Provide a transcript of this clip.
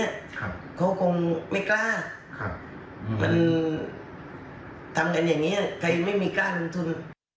เขาก็คงไม่กล้ามันทำกันอย่างนี้ใครไม่มีกล้าลงทุน